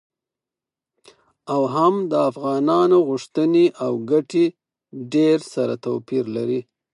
او هم د افغانانو غوښتنې او ګټې ډیر سره توپیر لري.